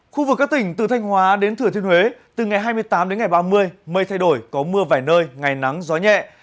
khu vực các tỉnh từ thanh hóa đến thừa thiên huế từ ngày hai mươi tám đến ngày ba mươi mây thay đổi có mưa vài nơi ngày nắng gió nhẹ